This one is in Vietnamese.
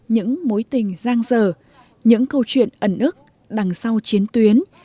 những mối tình giang dở những câu chuyện ẩn ức đằng sau chiến tuyến